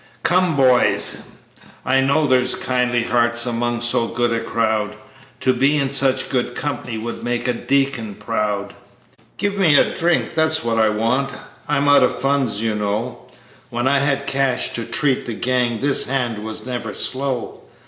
"Come, boys, I know there's kindly hearts among so good a crowd To be in such good company would make a deacon proud. "Give me a drink that's what I want I'm out of funds, you know, When I had cash to treat the gang this hand was never slow.